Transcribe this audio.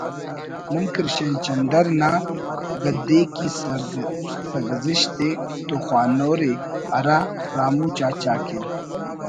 “ نم کرشن چندر نا ”گدھے کی سرگزشت“ ءِ تو خوانورے ہرا ”رامو چاچا“ کن